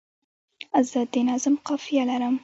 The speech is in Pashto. زه د نظم قافیه لیکم.